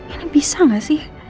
ini bisa gak sih